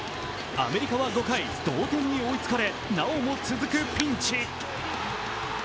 アメリカは５回、同点に追いつかれなおも続くピンチ。